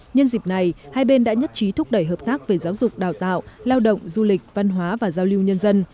nhân dịp này hai bên đã nhất trí thúc đẩy hợp tác về giáo dục đào tạo lao động du lịch văn hóa và giao lưu nhân dân